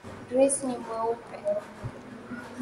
Grace ni mweupe.